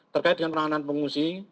terkait dengan peranan pengungsi